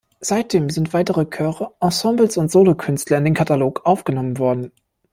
Seitdem sind weitere Chöre, Ensembles und Solokünstler in den Katalog aufgenommen worden.